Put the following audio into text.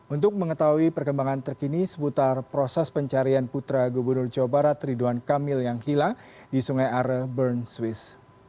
untuk mengetahui perkembangan terkini seputar proses pencarian putra gubernur jawa barat ridwan kamil yang hilang di sungai are bern swiss